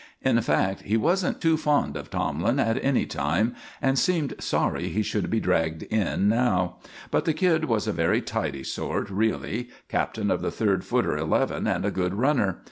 In fact, he wasn't too fond of Tomlin at any time, and seemed sorry he should be dragged in now. But the kid was a very tidy sort, really Captain of the Third Footer Eleven and a good runner.